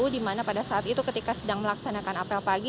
di mana pada saat itu ketika sedang melaksanakan apel pagi